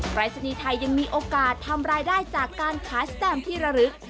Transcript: ปรายศนีย์ไทยยังมีโอกาสทำรายได้จากการขายสแตมที่ระลึก